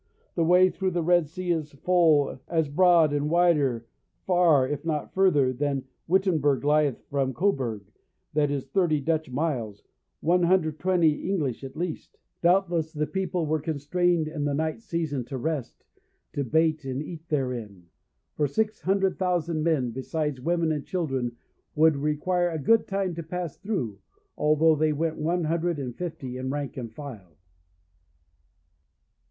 The way through the Red Sea is full as broad, and wider far (if not further) than Wittenberg lieth from Coburg, that is thirty Dutch miles, 120 English at least: doubtless the people were constrained in the night season to rest, to bait and eat therein; for six hundred thousand men, besides women and children, would require a good time to pass through, although they went one hundred and fifty in rank and file.